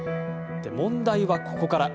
問題は、ここから。